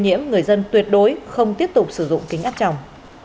nhiễm người dân tuyệt đối không tiếp tục sử dụng kính áp chồng